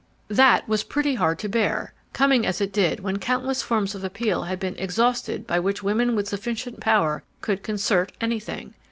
That was pretty hard to bear, coming as it did when countless forms of appeal had been exhausted by which women without sufficient power could "concert" anything.